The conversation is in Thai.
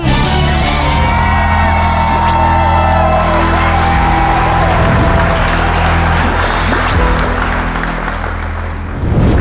เย้